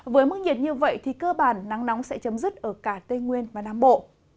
với mức nhiệt như vậy thì cơ bản nắng nóng sẽ chấm dứt ở cả tây nguyên và nam bộ